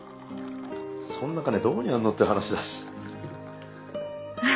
そんな金どこにあんのって話だし